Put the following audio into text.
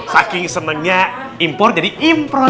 saking senengnya import jadi import